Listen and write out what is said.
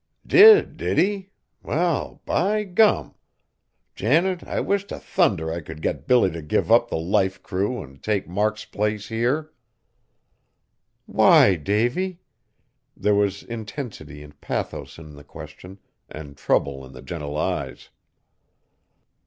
"Did, did he? Well, by gum! Janet, I wish to thunder I could get Billy to give up the Life Crew an' take Mark's place here!" "Why, Davy?" There was intensity and pathos in the question, and trouble in the gentle eyes.